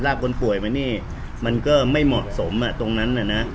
คนป่วยมานี่มันก็ไม่เหมาะสมตรงนั้นน่ะนะ